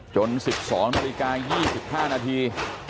๑๒นาฬิกา๒๕นาที